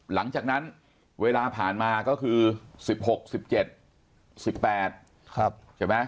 หลังจากนั้นเวลาผ่านมาก็คือ๑๖๑๗๑๘ใช่ไหม